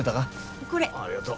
おっありがとう。